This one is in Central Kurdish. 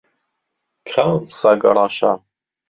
کام سەگ ڕەشە؟